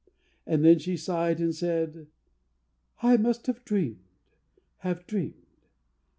And then she sighed and said, "I must have dreamed, have dreamed."